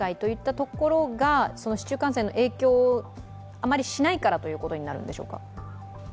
ところが市中感染の影響をあまりしないからということになるんでしょうか？